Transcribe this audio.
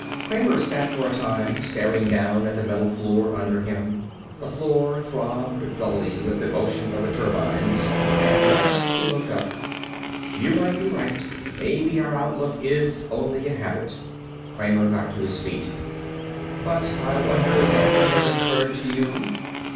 Kramer sat for a time, staring down at the metal floor under him. The floor throbbed dully with the motion of the turbines. At last he looked up. "You might be right. Maybe our outlook is only a habit." Kramer got to his feet. "But I wonder if something has occurred to you?"